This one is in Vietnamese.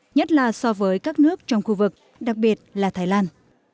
nhất là so với các nước trong khu vực đặc biệt là thái lan